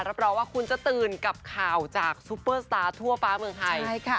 รับรองว่าคุณจะตื่นกับข่าวจากซุปเปอร์สตาร์ทั่วฟ้าเมืองไทย